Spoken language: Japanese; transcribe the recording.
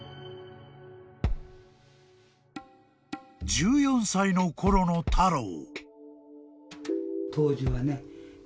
［１４歳のころのタロー］